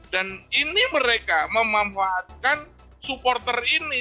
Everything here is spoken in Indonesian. dan ini mereka memanfaatkan supporter ini